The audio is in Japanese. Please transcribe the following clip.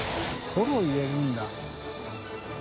トロ入れるんだ。